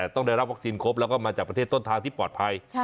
ต้องได้รับวัคซีนครบแล้วก็มาจากประเทศต้นทางที่ปลอดภัย